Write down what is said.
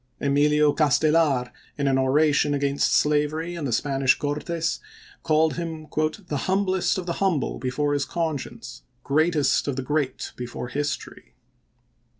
Emilio Castelar, in an oration against slavery in the Spanish Cortes, called him "humblest of the humble before his conscience, greatest of the great before history."